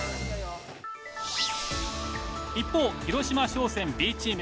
一方広島商船Ｂチーム。